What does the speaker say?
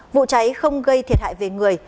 vụ cháy không gây thiệt hại về người